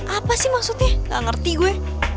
apa sih maksudnya gak ngerti gue